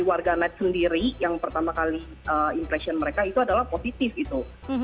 kemarganet sendiri yang pertama kali impression mereka itu adalah positif gitu